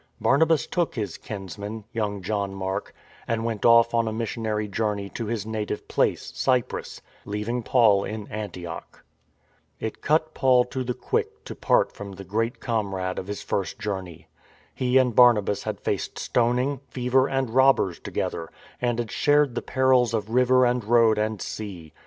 Barnabas took his kinsman, young John 164 FINDING A SON 165 Mark, and went off on a missionary journey to his native place, Cyprus, leaving Paul in Antioch. It cut Paul to the quick to part from the great com rade of his first journey. He and Barnabas had faced stoning, fever and robbers together; and had shared the perils of river and road and sea.